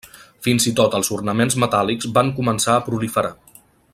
Fins i tot els ornaments metàl·lics van començar a proliferar.